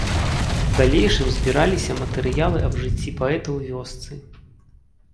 У далейшым збіраліся матэрыялы аб жыцці паэта ў вёсцы.